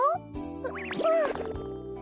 ううん。